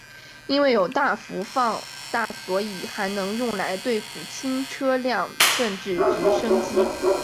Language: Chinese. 因为有大幅放大所以还能用来对付轻车辆甚至直升机。